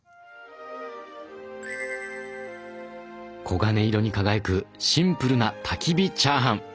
黄金色に輝くシンプルなたきび火チャーハン！